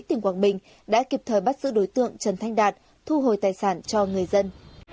tỉnh quảng bình đã kịp thời bắt giữ đối tượng trần thanh đạt thu hồi tài sản cho người dân